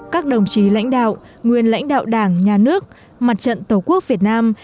các đồng chí lãnh đạo nguyên lãnh đạo đảng nhà nước mặt trận tổ quốc việt nam